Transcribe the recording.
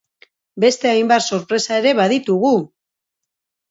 Beste hainbat sorpresa ere baditugu!